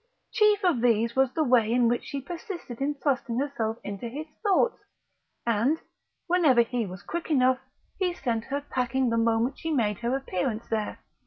Chief of these was the way in which she persisted in thrusting herself into his thoughts; and, whenever he was quick enough, he sent her packing the moment she made her appearance there.